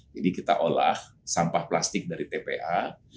jadi kita olah sampah plastik dari tpa